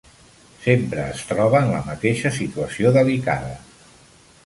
Sempre es troba en la mateixa situació delicada.